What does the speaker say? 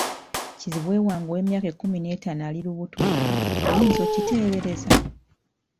Kizibwe wange ow'emyaka ekkumi n'etaano ali lubuto, oyinza okukiteebereza?